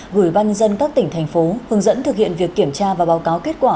gửi ban nhân dân các tỉnh thành phố hướng dẫn thực hiện việc kiểm tra và báo cáo kết quả